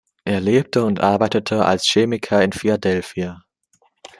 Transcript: Er lebte und arbeitete als Chemiker in Philadelphia.